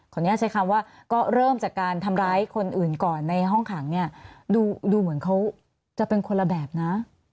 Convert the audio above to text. อนุญาตใช้คำว่าก็เริ่มจากการทำร้ายคนอื่นก่อนในห้องขังเนี่ยดูเหมือนเขาจะเป็นคนละแบบนะ